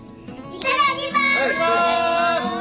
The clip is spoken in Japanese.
いただきます。